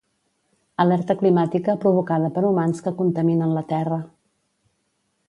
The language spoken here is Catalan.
Alerta climàtica provocada per humans que contaminen la Terra.